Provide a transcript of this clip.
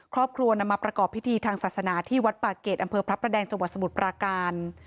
ครอบครัวนำมาประกอบพิธีทางศาสนาที่วัดป่าเกสอำเพียรพรัดแดงจสมตปากราห์น